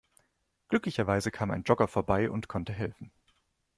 Glücklicherweise kam ein Jogger vorbei und konnte helfen.